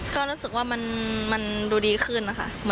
ก็รู้สึกว่ามันดูดีขึ้นนะคะ